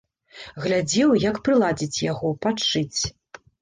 Глядзеў, як прыладзіць яго, падшыць.